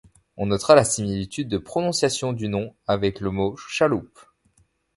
On notera la similitude de prononciation du nom avec le mot chaloupe.